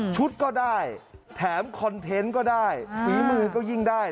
ก็ได้แถมคอนเทนต์ก็ได้ฝีมือก็ยิ่งได้